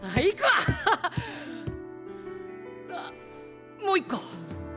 あっもう一個。